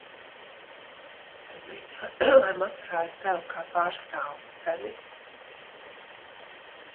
Tu gribi, lai maksāju sev, ka pārstāvu sevi?